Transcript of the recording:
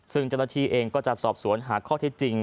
ซึ่งจันทีเองก็จะสอบสวนหาข้อที่จริง